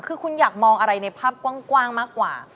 คือคุณอยากมองอะไรในภาพกว้างมากกว่า